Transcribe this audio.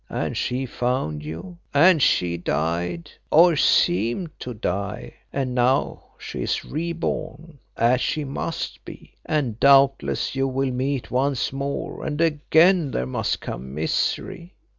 And she found you, and she died, or seemed to die, and now she is re born, as she must be, and doubtless you will meet once more, and again there must come misery.